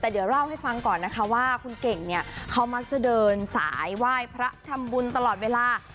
แต่เดี๋ยวเล่าให้ฟังก่อนนะคะว่าคุณเก่งเนี่ยเขามักจะเดินสายไหว้พระทำบุญตลอดเวลา